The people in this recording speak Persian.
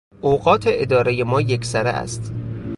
اوقات ادارهٔ ما یکسره است.